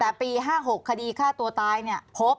แต่ปี๕๖คดีฆ่าตัวตายเนี่ยพบ